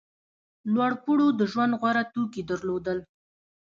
لوړپوړو د ژوند غوره توکي درلودل.